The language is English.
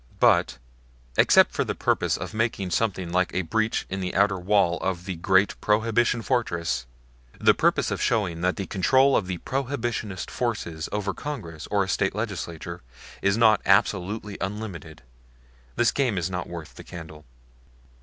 But, except for the purpose of making something like a breach in the outer wall of the great Prohibition fortress the purpose of showing that the control of the Prohibitionist forces over Congress or a State Legislature is not absolutely unlimited this game is not worth the candle.